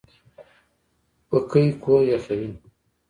پکۍ کور یخوي